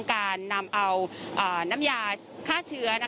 การนำเอาน้ำยาฆ่าเชื้อ